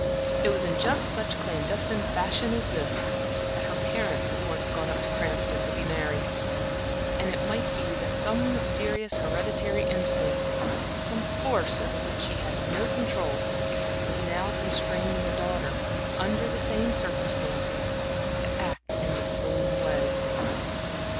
It was in just such clandestine fashion as this that her parents had once gone up to Cranston to be married; and it might be that some mysterious hereditary instinct, some force over which she had no control, was now constraining their daughter, under the same circumstances, to act in the same way.